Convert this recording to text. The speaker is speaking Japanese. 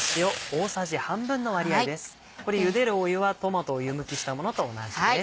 これゆでる湯はトマトを湯むきしたものと同じです。